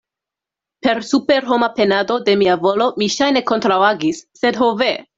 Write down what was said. Per superhoma penado de mia volo mi ŝajne kontraŭagis, sed ho ve!